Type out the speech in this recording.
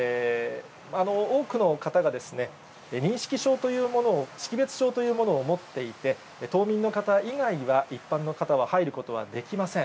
多くの方がですね、認識証というものを、識別証というものを持っていて、島民の方以外は、一般の方は入ることはできません。